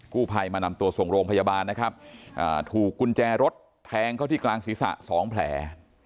กู้ภัยมานำตัวส่งโรงพยาบาลนะครับถูกกุญแจรถแทงเข้าที่กลางศีรษะ๒แผล